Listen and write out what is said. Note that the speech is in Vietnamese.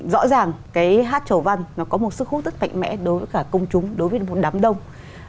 rõ ràng cái hát trầu văn nó có một sức hút rất mạnh mẽ đối với cả công chúng đối với một đám đông